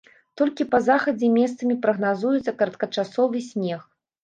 Толькі па захадзе месцамі прагназуецца кароткачасовы снег.